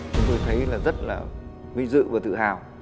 chúng tôi thấy là rất là vinh dự và tự hào